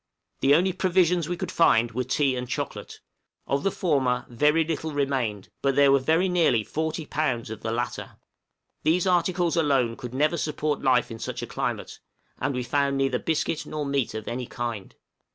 The only provisions we could find were tea and chocolate; of the former very little remained, but there were nearly 40 pounds of the latter. These articles alone could never support life in such a climate, and we found neither biscuit nor meat of any kind.